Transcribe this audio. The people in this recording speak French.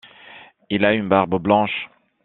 Il a une barbe blanche.